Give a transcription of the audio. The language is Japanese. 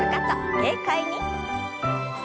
軽快に。